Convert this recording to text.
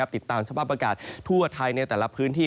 ติดตามสภาพอากาศทั่วไทยในแต่ละพื้นที่